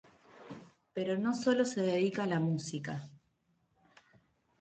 Pero no sólo se dedica a la música.